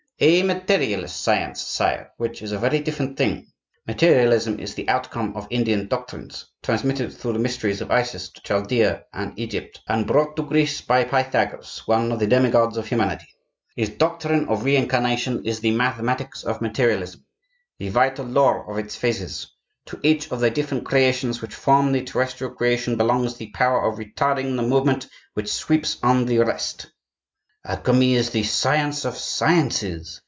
"A materialist science, sire, which is a very different thing. Materialism is the outcome of Indian doctrines, transmitted through the mysteries of Isis to Chaldea and Egypt, and brought to Greece by Pythagoras, one of the demigods of humanity. His doctrine of re incarnation is the mathematics of materialism, the vital law of its phases. To each of the different creations which form the terrestrial creation belongs the power of retarding the movement which sweeps on the rest." "Alchemy is the science of sciences!"